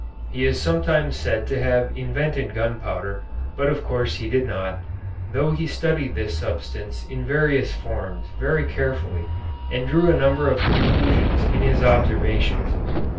He is sometimes said to have invented gunpowder, but of course he did not, though he studied this substance in various forms very carefully and drew a number of conclusions in his observations.